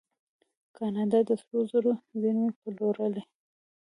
کاناډا د سرو زرو زیرمې پلورلي.